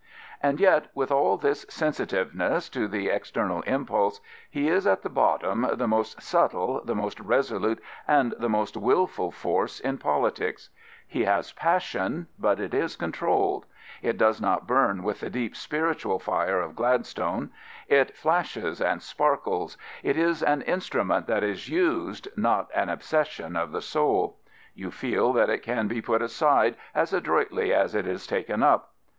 And yet with all this sensitiveness to the external impulse, he is at the bottom the most subtle, the most resolute, and the most wilful force in politics. He has passion, but it is controlled. It does not bum with the deep spiritual fire of Gladstone. It flashes *E 133 Prophets, Priests, and Kings and sparkles. It is an instrument that is used, not an obse§sion of the soul. You feel that it can be put aside as adroitly as it is taken up.